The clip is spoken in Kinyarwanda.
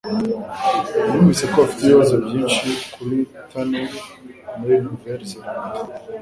Numvise ko bafite ibibazo byinshi kuri tunel muri Nouvelle-Zélande.